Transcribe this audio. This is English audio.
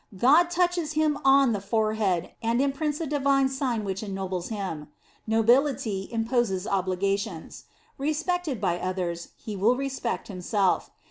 God touches him on the forehead, and imprints a Divine Sign which ennobles him. Nobility imposes obligations. Respec ted by others, he will respect himself.